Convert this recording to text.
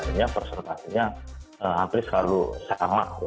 ternyata persertanya hampir selalu sama